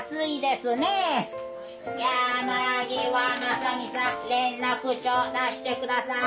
山際正己さん連絡帳出して下さい。